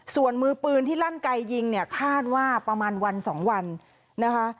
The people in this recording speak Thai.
ส่วนมือปืนที่ลั่นไกยิงเนี่ยคาดว่าประมาณวันสองวันนะคะ